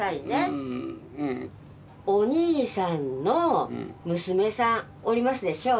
お兄さんの娘さんおりますでしょ。